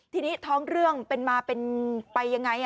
ทีนี้ท้องเรื่องเป็นมาเป็นไปยังไง